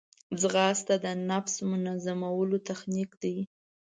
ځغاسته د نفس منظمولو تخنیک دی